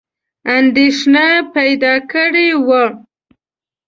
اندېښنه پیدا کړې وه.